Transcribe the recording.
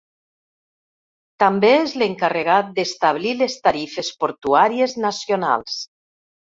També és l'encarregat d'establir les tarifes portuàries nacionals.